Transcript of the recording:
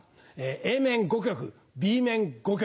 Ａ面５曲Ｂ面５曲。